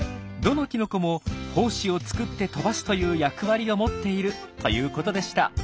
どのきのこも胞子を作って飛ばすという役割を持っているということでした。